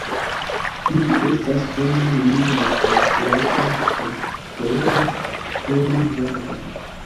Ili estas forme liniaj kaj plataj kaj kolore oliv-verdaj.